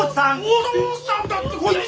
お父さんだってこいつ！